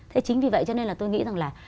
thế chính vì vậy cho nên là tôi nghĩ rằng là